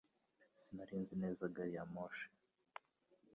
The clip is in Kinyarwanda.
Sinari nzi neza gari ya moshi